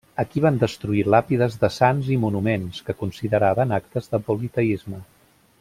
Aquí van destruir làpides de sants i monuments, que consideraven actes de politeisme.